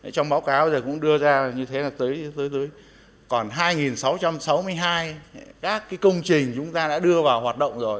trong báo cáo bây giờ cũng đưa ra như thế là tới còn hai sáu trăm sáu mươi hai các công trình chúng ta đã đưa vào hoạt động rồi